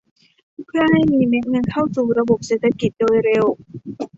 เพื่อให้มีเม็ดเงินเข้าสู่ระบบเศรษฐกิจโดยเร็ว